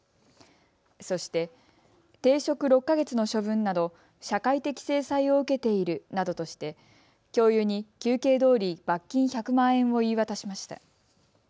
そして、停職６か月の処分など社会的制裁を受けているなどとして教諭に求刑どおり罰金１００万円を言い渡しました。